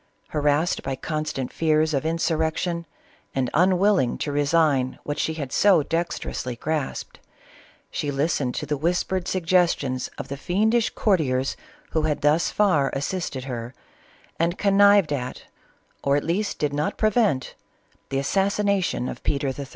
Harassed by constant fears of insurrection and unwilling to resign what she had so dexterously grasped, she listened to the whispered suggestions of the fiendish courtiers who had thus far assisted her and connived at, or at least did not prevent, the assas sination of Peter III.